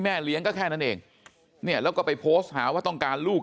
เลี้ยงก็แค่นั้นเองเนี่ยแล้วก็ไปโพสต์หาว่าต้องการลูก